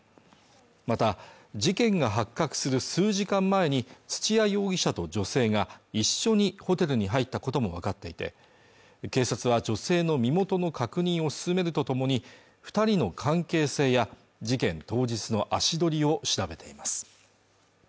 また事件が発覚する数時間前に土屋容疑者と女性が一緒にホテルに入ったこともわかっていて警察は女性の身元の確認を進めるとともに二人の関係性や事件当日の足取りを調べています